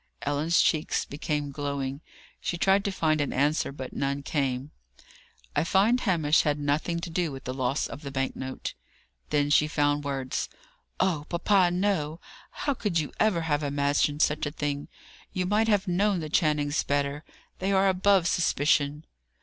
Ellen's cheeks became glowing. She tried to find an answer, but none came. "I find Hamish had nothing to do with the loss of the bank note." Then she found words. "Oh, papa, no! How could you ever have imagined such a thing? You might have known the Channings better. They are above suspicion."